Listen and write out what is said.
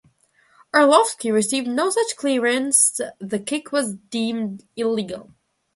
Arlovski received no such clearance, the kick was deemed illegal.